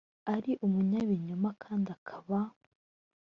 ari umunyabinyoma kandi akaba